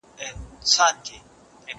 دا وخت له هغه ښه دی؟